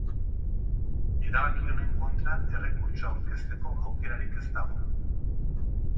Erabaki honen kontra errekurtsoa aurkezteko aukerarik ez dago.